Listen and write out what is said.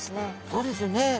そうですよね。